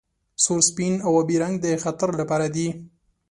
سور سپین او ابي رنګ د خطر لپاره دي.